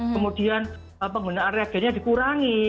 kemudian penggunaan regennya dikurangi